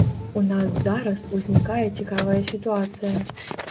У нас зараз узнікае цікавая сітуацыя.